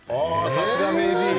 さすが名人！